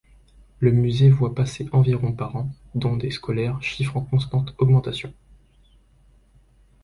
Le Musée voit passer environ par an, dont des scolaires, chiffre en constante augmentation.